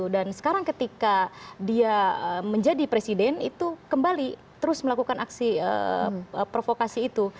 dan sekarang ketika dia menjadi presiden itu kembali terus melakukan aksi provokasi itu